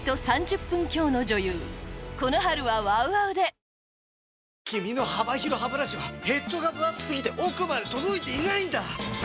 それでは本日の果たして君の幅広ハブラシはヘッドがぶ厚すぎて奥まで届いていないんだ！